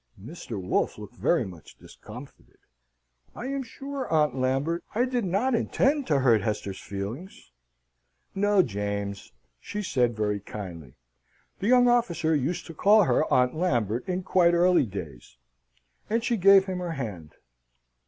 Mr. Wolfe looked very much discomfited. "I am sure, Aunt Lambert, I did not intend to hurt Hester's feelings." "No, James," she said, very kindly the young officer used to call her Aunt Lambert in quite early days and she gave him her hand.